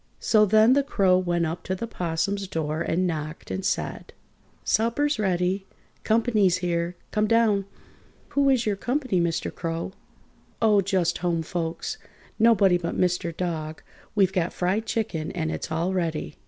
So then the Crow went up to the 'Possum's door and knocked and said: "Supper's ready! Comp'ny's here! Come down!" [Illustration: "WHO IS YOUR COMPANY, MR. CROW?"] "Who is your company, Mr. Crow?" "Oh, just home folks. Nobody but Mr. Dog. We've got fried chicken and it's all ready."